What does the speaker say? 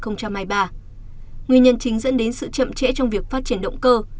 nguyên nhân chính dẫn đến sự chậm trễ trong việc phát triển động cơ